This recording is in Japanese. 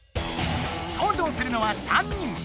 登場するのは３人。